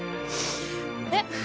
えっ？